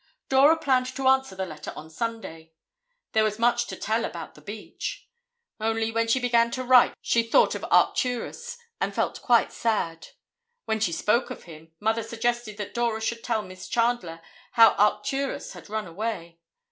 Dora planned to answer the letter on Sunday. There was much to tell about the beach. Only, when she began to write, she thought of Arcturus and felt quite sad. When she spoke of him, Mother suggested that Dora should tell Miss Chandler how Arcturus had run away.